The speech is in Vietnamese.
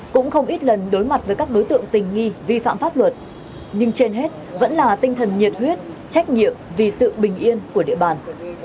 cũng không ít lần đối mặt với các đối tượng tình nghi vi phạm pháp luật nhưng trên hết vẫn là tinh thần nhiệt huyết trách nhiệm vì sự bình yên của địa bàn